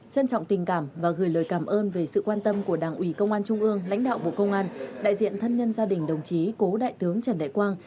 trân trọng tình cảm và gửi lời cảm ơn về sự quan tâm của đảng ủy công an trung ương lãnh đạo bộ công an đại diện thân nhân gia đình đồng chí cố đại tướng trần đại quang